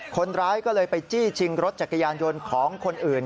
คนร้ายก็เลยไปจี้ชิงรถจักรยานยนต์ของคนอื่น